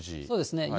そうですね。